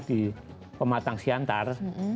di pematang siantar